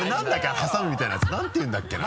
挟むみたいなやつ何て言うんだっけな？